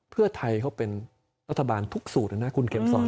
เพื่อไทยเขาเป็นรัฐบาลทุกสูตรนะนะคุณเข็มสอน